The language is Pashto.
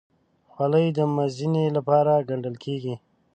خولۍ د مزینۍ لپاره ګنډل کېږي.